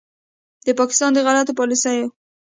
د پاکستان د غلطو پالیسیو